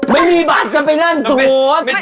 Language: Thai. ไม่มีบัตรกันไปนั่งโดด